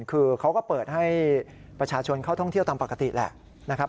คือเขาก็เปิดให้ประชาชนเข้าท่องเที่ยวตามปกติแหละนะครับ